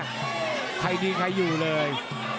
ใครดีใครอยู่เลย